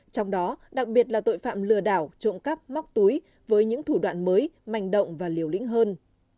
trong đó đặc biệt là tội phạm lừa đảo trộm cắp móc túi với những thủ đoạn mới manh động và liều lĩnh hơn